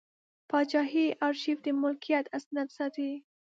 پاچاهي ارشیف د ملکیت اسناد ساتي.